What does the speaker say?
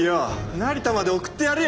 成田まで送ってやるよ！